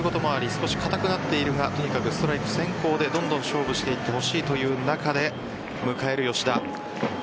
少し硬くなっているがとにかくストライク先行でどんどん勝負していってほしいという中で迎える吉田。